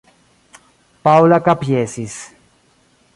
Paŭla kapjesis.